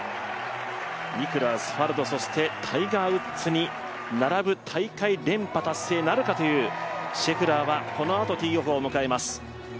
ニクラウス、ファルド、そしてタイガー・ウッズに並ぶ大会連覇達成なるかというシェフラーはこのあとティーオフを迎えます。